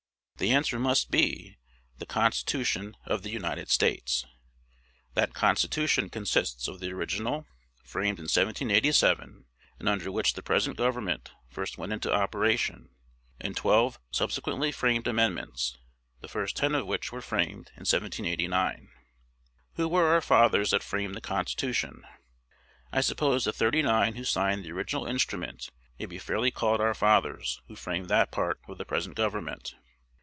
The answer must be, "The Constitution of the United States." That Constitution consists of the original, framed in 1787 (and under which the present Government first went into operation), and twelve subsequently framed amendments, the first ten of which were framed in 1789. Who were our fathers that framed the Constitution? I suppose the "thirty nine" who signed the original instrument may be fairly called our fathers who framed that part of the present Government.